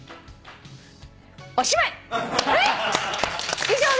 おしまい。